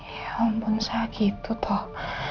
ya ampun sakit tuh